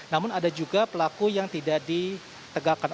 namun ada juga pelaku yang tidak ditegakkan